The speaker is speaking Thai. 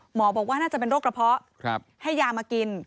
หมอบอกว่าน่าจะเป็นโรคกระเพาะให้ยามากิน